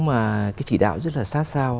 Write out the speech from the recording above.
mà cái chỉ đạo rất là sát sao